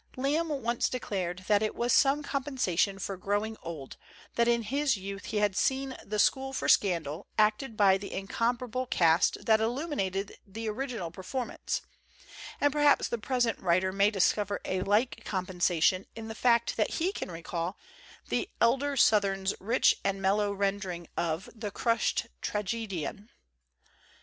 Lamb once declared that it was some compen sation for growing old that in his youth he had seen the 'School for Scandal' acted by the in comparable cast that illuminated the original performance; and perhaps the present writer may discover a like compensation in the fact that he can recall the elder Sothern's rich and mellow rendering of the 'Crushed Tragedian.'